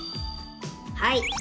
はい。